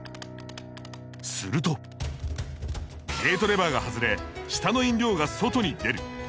するとゲートレバーが外れ下の飲料が外に出る。